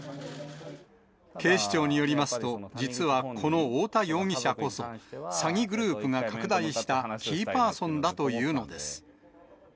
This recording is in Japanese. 警視庁によりますと、実はこの太田容疑者こそ、詐欺グループが拡大したキーパーソンだというのです。